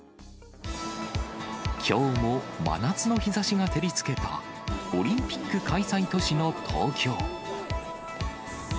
きょうも真夏の日ざしが照りつけた、オリンピック開催都市の東京。